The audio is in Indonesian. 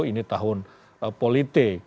ini tahun politik